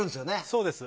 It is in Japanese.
そうです。